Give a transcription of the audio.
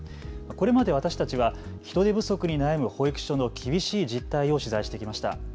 これまで私たちは人手不足に悩む保育所の厳しい実態を取材してきました。